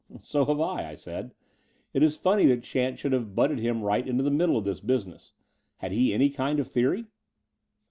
"So have I," I said. "It is funny that chance should have butted him right into the middle of this business. Had he any kind of theory?"